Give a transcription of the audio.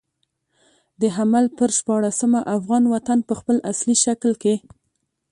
د حمل پر شپاړلسمه افغان وطن په خپل اصلي شکل کې.